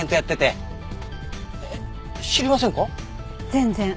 全然。